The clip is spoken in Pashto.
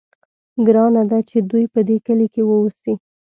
ګرانه ده چې دوی په دې کلي کې واوسي.